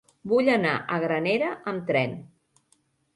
Vull anar a Granera amb tren.